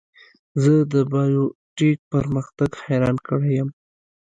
زه د بایو ټیک پرمختګ حیران کړی یم.